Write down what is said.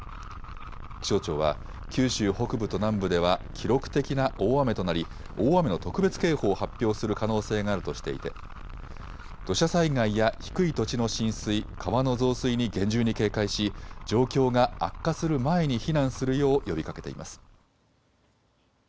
気象庁は九州北部と南部では記録的な大雨となり大雨の特別警報を発表する可能性があるとしていて土砂災害や低い土地の浸水、川の増水に厳重に警戒し状況が悪化する前に避難するよう呼びかけています。